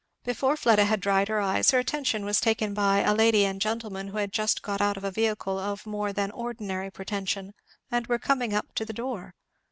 Before Fleda had dried her eyes her attention was taken by a lady and gentleman who had just got out of a vehicle of more than the ordinary pretension and were coming up to the door.